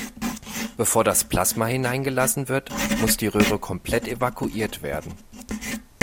Bevor das Plasma hineingelassen wird, muss die Röhre komplett evakuiert werden.